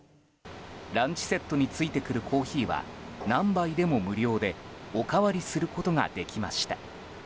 ランチセットに付いてくるコーヒーは何杯でも無料でお代わりすることができました。